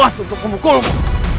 aku akan menangkapmu